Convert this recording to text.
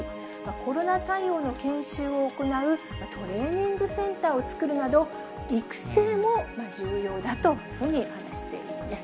コロナ対応の研修を行うトレーニングセンターを作るなど、育成も重要だというふうに話しているんです。